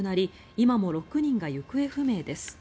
今も６人が行方不明です。